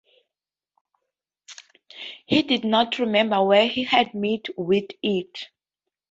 He did not remember where he had met with it.